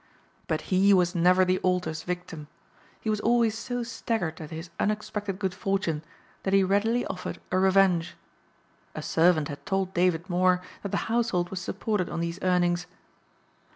But he was never the altar's victim. He was always so staggered at his unexpected good fortune that he readily offered a revenge. A servant had told David Moor that the household was supported on these earnings.